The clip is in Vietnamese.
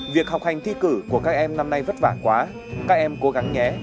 việc học hành thi cử của các em năm nay vất vả quá các em cố gắng nhé